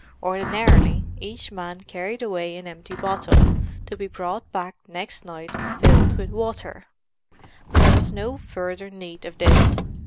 Ordinarily each man carried away an empty bottle, to be brought back next night filled with water; but there was no further need of this.